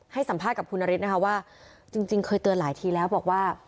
ให้สัมภาษณ์กับคุณนฤทธิ์นะคะว่าจริงเคยเตือนหลายทีแล้วบอกว่า